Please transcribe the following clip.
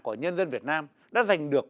của nhân dân việt nam đã dành được